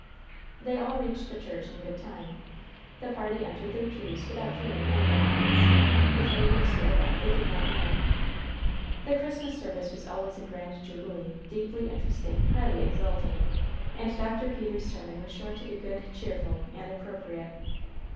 They all reached the church in good time. The party entered their pews without feeling any annoyance. If they were stared at, they did not know it. The Christmas service was always a grand jubilee, deeply interesting, highly exalting, and Dr. Peters' sermon was sure to be good, cheerful and appropriate.